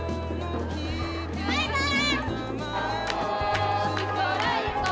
バイバイ！